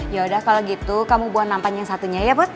yaudah kalau gitu kamu buang nampan yang satunya ya put